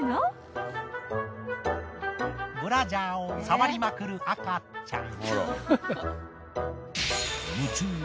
ブラジャーを触りまくる赤ちゃん。